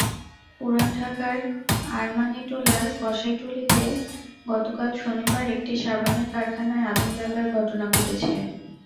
পুরান ঢাকার আরমানিটোলার কসাইটুলীতে গতকাল শনিবার একটি সাবানের কারখানায় আগুন লাগার ঘটনা ঘটেছে।